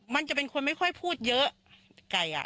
มันจะเป็นคนไม่ค่อยพูดเยอะไก่อ่ะ